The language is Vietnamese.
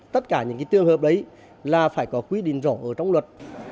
tất cả những cái tương hợp đấy là phải có quy định rõ ở trong luật